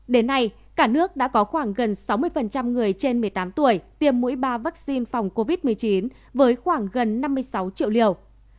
đến nay cả nước đã có khoảng gần sáu mươi người trên một mươi tám tuổi tiêm mũi ba vaccine phòng covid một mươi chín với khoảng gần năm mươi sáu triệu liều